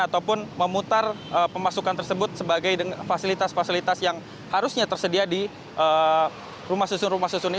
ataupun memutar pemasukan tersebut sebagai fasilitas fasilitas yang harusnya tersedia di rumah susun rumah susun ini